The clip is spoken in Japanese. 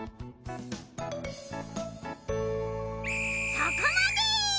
そこまで！